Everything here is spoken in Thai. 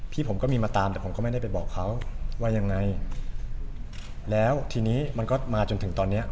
พี่ผมก็มีมาตามแต่ผมก็ไม่ได้ไปบอกเขาว่ายังไงแล้วทีนี้มันก็มาจนถึงตอนเนี้ย